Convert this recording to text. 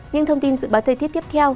những thông tin dự báo thời tiết tiếp theo